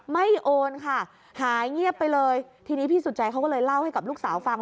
โอนค่ะหายเงียบไปเลยทีนี้พี่สุจัยเขาก็เลยเล่าให้กับลูกสาวฟัง